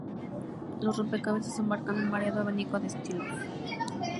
Los rompecabezas abarcan un muy variado abanico de estilos.